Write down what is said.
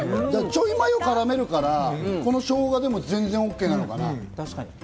ちょいマヨを絡めるから、この生姜でも全然ＯＫなのかな？